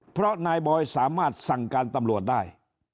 เพราะนายบอยสามารถสั่งการตำรวจได้